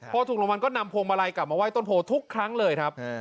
พอถูกรางวัลก็นำพวงมาลัยกลับมาไห้ต้นโพทุกครั้งเลยครับ